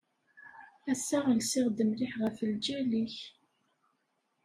Ass-a lsiɣ-d mliḥ ɣef lǧal-ik.